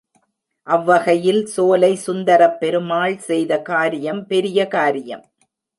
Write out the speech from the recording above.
அவ்வகையில் சோலை சுந்தரபெருமாள் செய்த காரியம் பெரிய காரியம்.